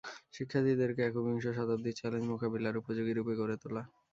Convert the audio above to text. শিক্ষার্থীদেরকে একবিংশ শতাব্দীর চ্যালেঞ্জ মোকাবিলার উপযোগী রূপে গড়ে তোলা।